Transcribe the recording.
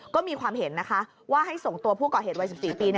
ก็มีความเห็นนะคะว่าให้ส่งตัวผู้ก่อเหตุวัย๑๔ปี